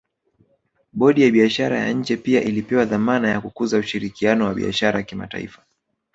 Bodi ya Biashara ya nje pia ilipewa dhamana ya kukuza ushirikiano wa biashara kimataifa